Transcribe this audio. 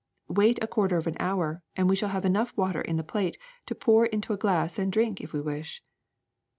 Wait a quarter of an hour and we shall have enough water in the plate to pour into a glass and drink if we wish.